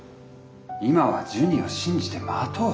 今はジュニを信じて待とう。